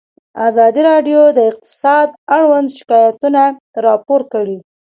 ازادي راډیو د اقتصاد اړوند شکایتونه راپور کړي.